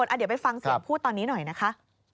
เดี๋ยวไปฟังเสียงพูดตอนนี้หน่อยนะคะ